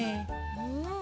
うん。